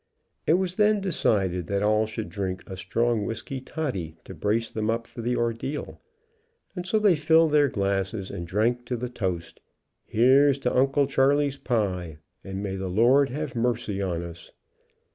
It was then decided that all should drink a strong whisky toddy, to brace them up for the ordeal, and so they filled their glasses and drank to the toast, "Here's to Uncle Charley's pie, and may the Lord have mercy on us."